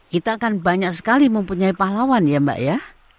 kita kan banyak sekali mempunyai pahlawan ya mbak ya